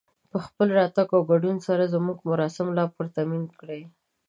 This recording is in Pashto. په خپل راتګ او ګډون سره زموږ مراسم لا پرتمين کړئ